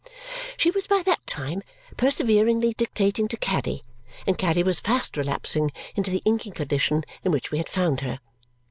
She was by that time perseveringly dictating to Caddy, and Caddy was fast relapsing into the inky condition in which we had found her.